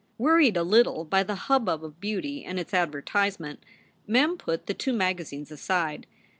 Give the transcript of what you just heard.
Wearied a little by the hubbub of beauty and its advertise ment, Mem put the two magazines aside.